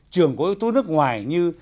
trường có yếu tố nước ngoài như